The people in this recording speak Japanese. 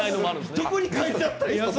どこに書いてあった？